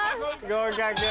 合格。